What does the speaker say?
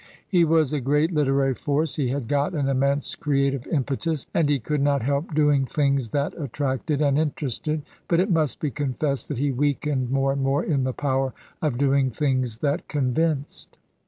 He was a great hterary force; he had got an immense creative ^ impetus, and he could not help doing things that at tracted £ind interested, but it must be confessed that he weakened more and more in the power of doing things that convinced.